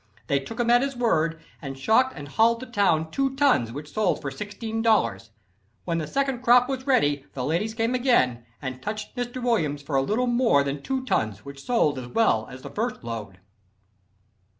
They took him at his word and shocked and hauled to town two tons which sold for $16. When the second crop was ready the ladies came again, and 'touched' Mr. Williams for a little more than two tons which sold as well as the first load."